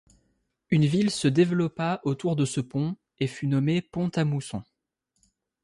Une ville se développa autour de ce pont, et fut nommée Pont-à-Mousson.